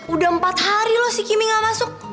udah empat hari loh si kimi gak masuk